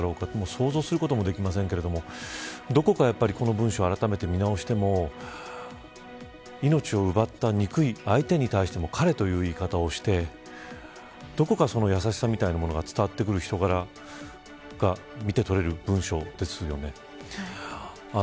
想像することもできませんがどこかこの文章をあらためて見直しても命を奪った、憎い相手に対しても彼という言い方をしてどこか優しさみたいなものが伝わってくる人柄が見て取れる文章ですよね。